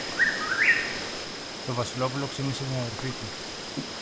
Το Βασιλόπουλο ξύπνησε την αδελφή του.